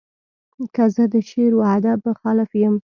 که زه د شعر و ادب مخالف یم.